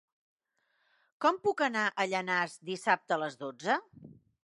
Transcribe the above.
Com puc anar a Llanars dissabte a les dotze?